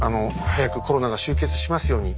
早くコロナが終結しますように。